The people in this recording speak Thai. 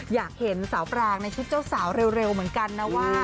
อยากเห็นสาวปรางในชุดเจ้าสาวเร็วเหมือนกันนะว่า